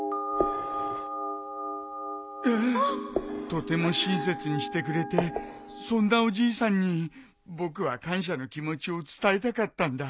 とても親切にしてくれてそんなおじいさんに僕は感謝の気持ちを伝えたかったんだ。